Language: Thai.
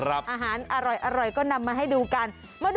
อาหารอร่อยก็นำมาให้ดูกัน